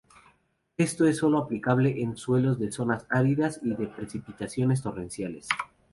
Esto sólo es aplicable en suelos de zonas áridas y de precipitaciones torrenciales.